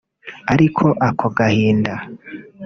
ariko ako gahinda